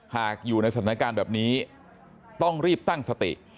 อยู่ในสถานการณ์แบบนี้ต้องรีบตั้งสติ